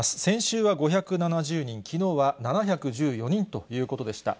先週は５７０人、きのうは７１４人ということでした。